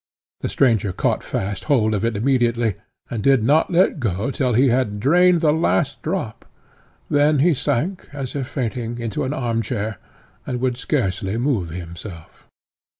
The stranger caught fast hold of it immediately, and did not let go till he had drained the last drop: then he sank, as if fainting, into an armchair, and could scarcely move himself.